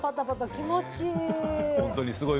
気持ちいい。